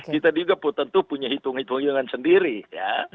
kita juga tentu punya hitung hitungan sendiri ya